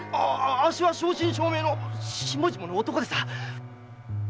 あっしは正真正銘の下々の男でさ！